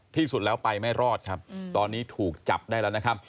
ที่สุดแล้วไปไม่รอดครับตอนนี้ถูกจับได้แล้วนะครับ